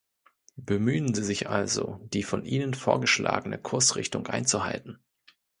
Bemühen Sie sich also, die von Ihnen vorgeschlagene Kursrichtung einzuhalten.